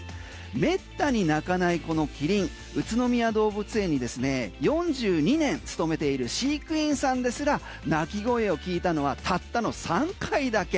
めったに鳴かないこのキリン宇都宮動物園にですね４２年勤めている飼育員さんですら鳴き声を聞いたのはたったの３回だけ。